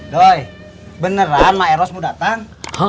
doi beneran mak eros mau datang